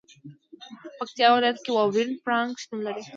پکتیکا ولایت کې واورین پړانګان شتون لري.